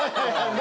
何？